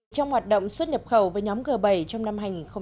trong hoạt động xuất nhập khẩu với nhóm g bảy trong năm hai nghìn một mươi bảy